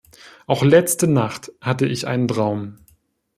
Auch letzte Nacht hatte ich einen Traum.